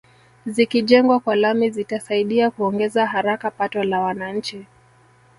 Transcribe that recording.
Zikijengwa kwa lami zitasaidia kuongeza haraka pato la wananchi